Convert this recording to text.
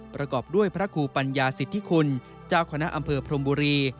ประกอบด้วยพระครูปัญญาสิทธิคุณเจ้าคณะอำเภอพรมบุรี